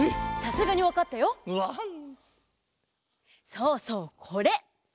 そうそうこれ！